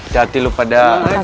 jati lu pada aja